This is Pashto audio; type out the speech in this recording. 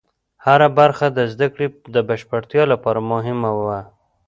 هره برخه د زده کړې د بشپړتیا لپاره مهمه وه.